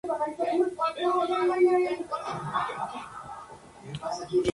Fue fabricado por la Gray Manufacturing Company de Hartford, Connecticut, en Estados Unidos.